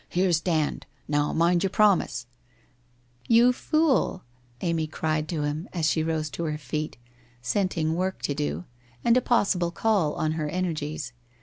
' Here's Dand. Now, mind your promise !'' You fool !' Amy cried to him, as she rose to her feet, scenting work to do, and a possible call on her energies.